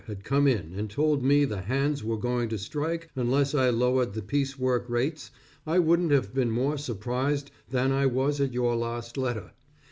had come in, and told me the hands were going to strike, unless I lowered the piecework rates, I wouldn't have been more surprised, than I was at your last letter.